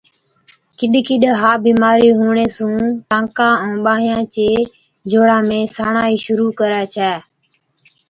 ڪِڏ ڪِڏ ها بِيمارِي هُوَڻي سُون ٽانڪان ائُون ٻانهان چي جوڙان ۾ ساڻائِي شرُوع ڪرَي ڇَي۔